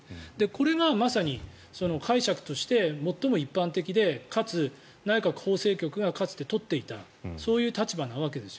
これがまさに解釈として最も一般的でかつ、内閣法制局がかつて取っていたそういう立場なわけなんです。